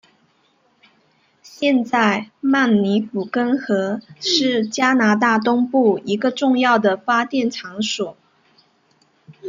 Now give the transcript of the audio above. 现在曼尼古根湖是加拿大东部一个重要的发电场所。